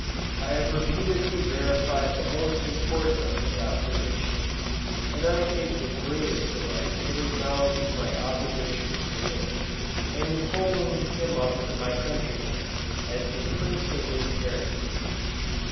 I have repeatedly verified the most important of his observations, and I take the greatest delight in acknowledging my obligations to him, and in holding him up to my countrymen, as the PRINCE OF APIARIANS.